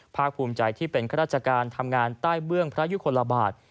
ภาคภูมิใจที่เป็นข้าราชการทำงานใต้เบื้องพระยุคลบาท